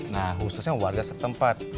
nah khususnya warga setempat